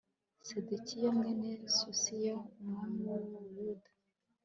sedekiya mwene yosiya umwami w u buyuda